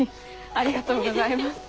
ありがとうございます。